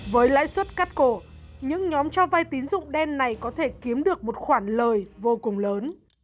với lãi suất cắt cổ những nhóm cho vay tín dụng đen này có thể kiếm được một khoản lời vô cùng lớn